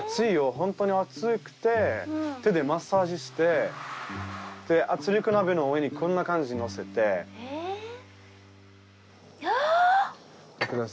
ホントに熱くて手でマッサージして圧力鍋の上にこんな感じに載せて。わ！